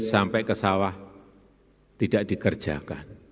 sampai ke sawah tidak dikerjakan